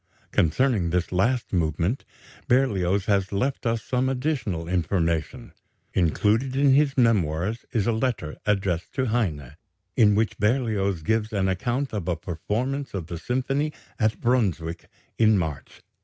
Concerning this last movement, Berlioz has left us some additional information. Included in his Memoirs is a letter addressed to Heine, in which Berlioz gives an account of a performance of the symphony at Brunswick in March, 1843.